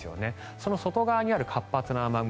その外側にある活発な雨雲